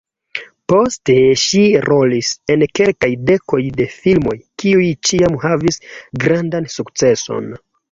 Poste ŝi rolis en kelkaj dekoj de filmoj, kiuj ĉiam havis grandan sukceson.